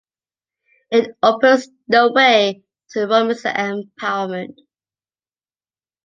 It opens the way to women's empowerment.